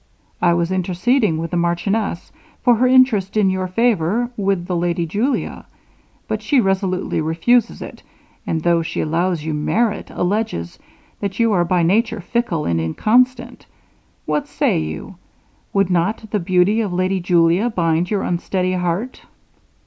I was interceding with the marchioness for her interest in your favor, with the lady Julia; but she absolutely refuses it; and though she allows you merit, alleges, that you are by nature fickle and inconstant. What say you would not the beauty of lady Julia bind your unsteady heart?'.